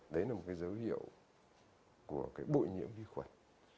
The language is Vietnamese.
đấy là một cái dấu hiệu của cái bụi nhiễm vi khuẩn